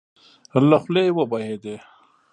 له خولې يې وبهېدې.